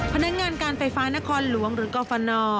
พนักงานการไฟฟ้านครหลวงหรือกรฟน